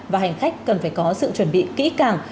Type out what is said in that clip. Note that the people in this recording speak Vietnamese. và hành khách cần phải có sự chuẩn bị kỹ càng